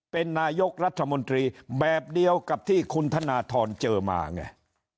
เป็นนายกรัฐมนตรีแบบเดียวกับที่คุณธนทรเจอมาไง